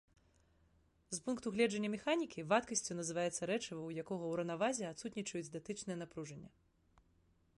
З пункту гледжання механікі, вадкасцю называецца рэчыва, у якога ў раўнавазе адсутнічаюць датычныя напружання.